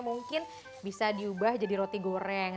mungkin bisa diubah jadi roti goreng